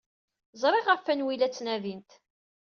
Ẓriɣ ɣef wanwa ay la ttnadint.